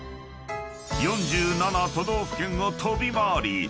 ［４７都道府県を飛び回り激